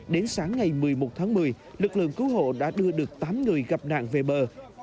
đến sáng ngày một mươi một tháng một mươi lực lượng cứu hộ đã đưa được tám người gặp nạn về bờ